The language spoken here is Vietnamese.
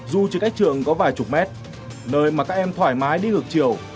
dù chỉ cách trường có vài chục mét nơi mà các em thoải mái đi ngược chiều